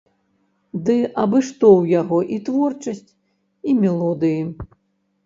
Ды абы што ў яго і творчасць, і мелодыі!